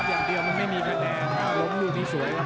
เดินเร็วละเดินเร็วละ